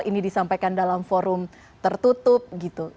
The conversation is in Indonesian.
ini disampaikan dalam forum tertutup gitu